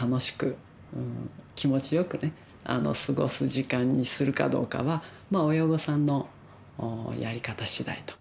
楽しく気持ちよくね過ごす時間にするかどうかは親御さんのやり方しだいと。